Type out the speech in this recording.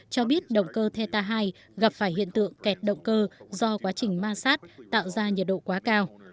cho biết động cơ theta hai gặp phải hiện tượng kẹt động cơ do quá trình massad tạo ra nhiệt độ quá cao